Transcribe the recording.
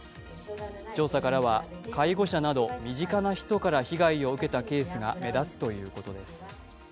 調査からは介護者など身近な人から被害を受けたケースが目立つということです。